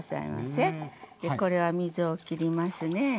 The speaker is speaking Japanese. でこれは水をきりますね。